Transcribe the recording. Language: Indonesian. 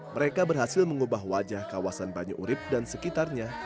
mereka berhasil mengubah wajah kawasan banyu urib dan sekitarnya